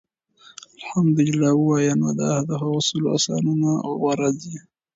اَلْحَمْدُ لِلَّه ووايي، نو دا د هغو سلو آسونو نه غوره دي